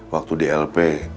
waktu di lp